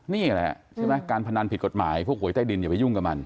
นี่แหละใช่ไหมการพนันผิดกฎหมายพวกหวยใต้ดินอย่าไปยุ่งกับมัน